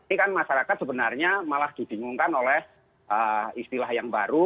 ini kan masyarakat sebenarnya malah dibingungkan oleh istilah yang baru